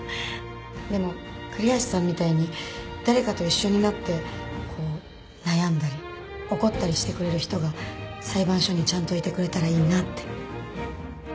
でも栗橋さんみたいに誰かと一緒になってこう悩んだり怒ったりしてくれる人が裁判所にちゃんといてくれたらいいなって。